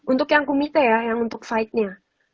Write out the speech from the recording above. untuk yang kumite ya yang untuk fight nya